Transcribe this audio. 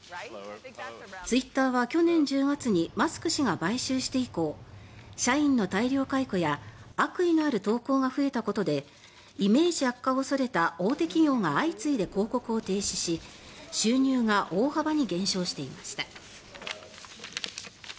ツイッターは去年１０月にマスク氏が買収して以降社員の大量解雇や悪意のある投稿が増えたことでイメージ悪化を恐れた大手企業が相次いで広告を停止し収入が大幅に減少していました。